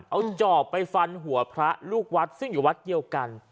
เอาจอบไปฟันหัวพระลูกวัดซึ่งอยู่วัดเดียวกัน